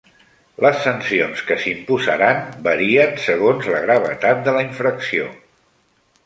Les sancions que s'imposaran varien segons la gravetat de la infracció.